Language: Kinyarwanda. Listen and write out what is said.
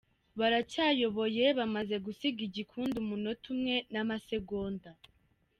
Baracyayoboye, bamaze gusiga igikundi umunota umwe n’amasegonda